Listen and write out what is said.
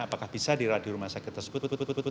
apakah bisa dirawat di rumah sakit tersebut